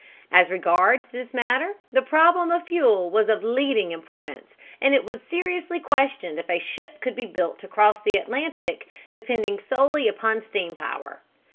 As regards this matter, the problem of fuel was of leading importance, and it was seriously questioned if a ship could be built to cross the Atlantic depending solely upon steam power.